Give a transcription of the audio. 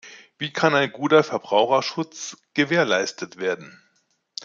Wie kann ein guter Verbraucherschutz gewährleistet werden?